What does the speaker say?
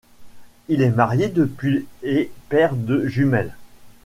Il est marié depuis et père de jumelles.